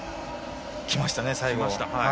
きましたね、最後。